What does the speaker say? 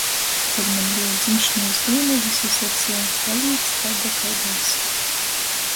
Kod maņ beja dzimšonys dīna, vysi saceja "Palic taida, kaida esi"...